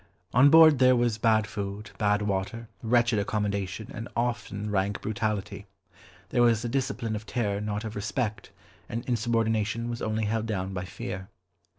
On board there was bad food, bad water, wretched accommodation, and often rank brutality. There was the discipline of terror not of respect, and insubordination was only held down by fear.